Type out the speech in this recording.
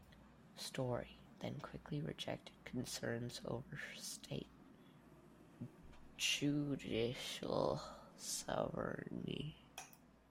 Story then quickly rejected concerns over State judicial sovereignty.